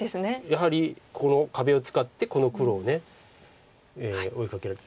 やはりこの壁を使ってこの黒を追いかけられる。